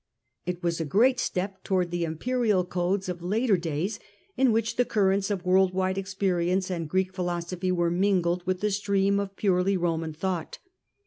It was a great step towards the imperial codes of later days, in which the currents of worldwide experience and Greek philosophy were mingled with the stream of purely Roman thought.